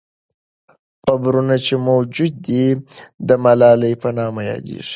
قبرونه چې موجود دي، د ملالۍ په نامه یادیږي.